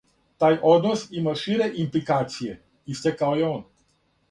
Тај однос има шире импликације, истакао је он.